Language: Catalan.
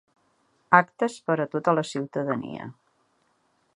Actes per a tota la ciutadania.